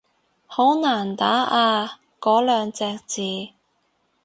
好難打啊嗰兩隻字